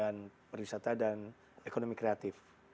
arahan dari kementerian perwisata dan ekonomi kreatif